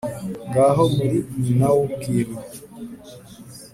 Ngaho muri nyina w’Ubwiru !